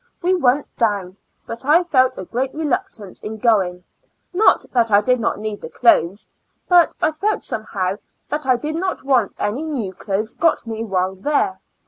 We went down, but I felt a great reluctance iu o^oino ; not that I did not need the clothes, but I felt somehow that I did not want any new clothes orot me while there.